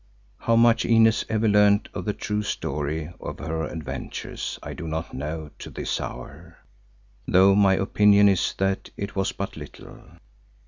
How much Inez ever learned of the true story of her adventures I do not know to this hour, though my opinion is that it was but little.